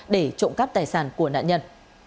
để trộm cắp tài sản của nạn nhân